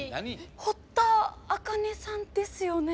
堀田茜さんですよね？